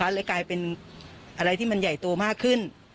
เลยกลายเป็นอะไรที่มันใหญ่โตมากขึ้น